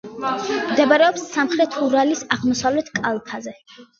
მდებარეობს სამხრეთ ურალის აღმოსავლეთ კალთაზე.